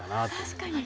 確かに。